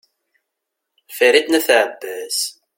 farid n at abbas